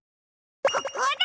ここだ！